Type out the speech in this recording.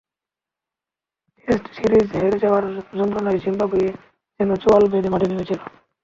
Test series হেরে যাওয়ার যন্ত্রণায় জিম্বাবুয়ে যেন চোঁয়াল বেঁধে মাঠে নেমেছিল।